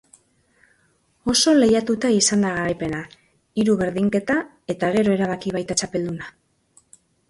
Oso lehiatuta izan da garaipena, hiru berdinketa eta gero erabaki baita txapelduna.